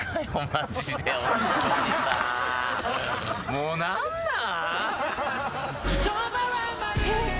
もう何なん？